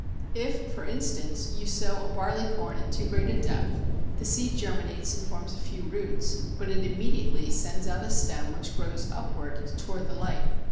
If, for instance, you sow a barley corn at too great a depth, the seed germinates and forms a few roots, but it immediately sends out a stem which grows upwards towards the light.